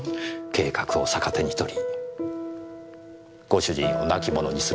計画を逆手に取りご主人を亡き者にするためです。